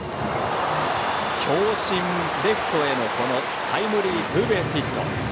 強振、レフトへのタイムリーツーベースヒット。